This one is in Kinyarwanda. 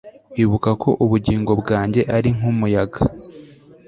ibuka ko ubugingo bwanjye ari nk'umuyaga